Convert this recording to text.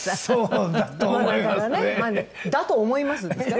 そうだと思いますね。